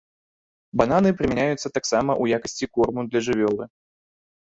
Бананы прымяняюцца таксама ў якасці корму для жывёлы.